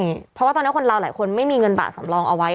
ใช่เพราะว่าตอนนี้คนเราหลายคนไม่มีเงินบาทสำรองเอาไว้